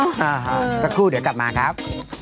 อ่าอ่าอ่าสักครู่เดี๋ยวกลับมาครับ